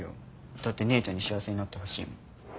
だって姉ちゃんに幸せになってほしいもん。